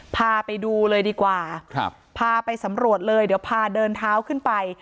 พาไปดูเลยดีกว่าครับพาไปสำรวจเลยเดี๋ยวพาเดินเท้าขึ้นไป